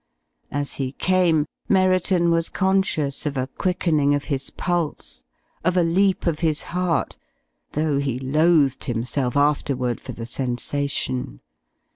As he came, Merriton was conscious of a quickening of his pulse, of a leap of his heart, though he loathed himself afterward for the sensation.